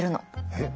えっ？